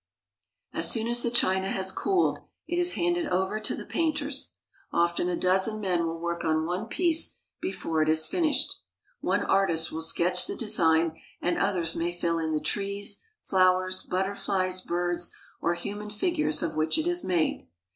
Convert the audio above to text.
As soon as the china has cooled, it is handed over to the painters. Often a dozen men will work on one piece be fore it is finished. One artist will sketch the design, and others may fill in the trees, flowers, butterflies, birds, or human figures of which it is made.